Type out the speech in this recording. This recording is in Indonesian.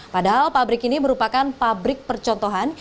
padahal pabrik ini merupakan pabrik percontohan